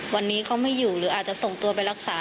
วันนี้เขาไม่อยู่หรืออาจจะส่งตัวไปรักษา